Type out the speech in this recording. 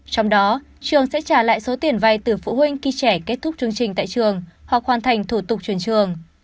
trong đó trường sẽ trả lại số tiền vay từ phụ huynh khi trẻ kết thúc chương trình tại trường hoặc hoàn thành thủ tục truyền trường